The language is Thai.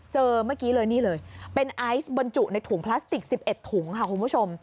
เมื่อกี้เลยนี่เลยเป็นไอซ์บรรจุในถุงพลาสติก๑๑ถุงค่ะคุณผู้ชม